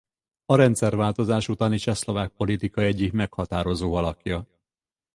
A rendszerváltozás utáni csehszlovák politika egyik meghatározó alakja.